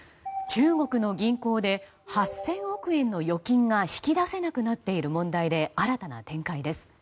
中国の銀行で８０００億円の預金が引き出せなくなっている問題で新たな展開です。